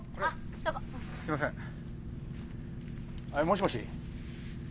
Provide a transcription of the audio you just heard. もしもし。